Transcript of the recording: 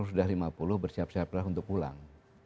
sudah lima puluh bersiap siap lah untuk pulang